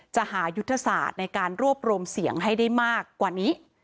จะหายุทธศาสตร์ในการรวบรวมเสียงให้ได้มากกว่านี้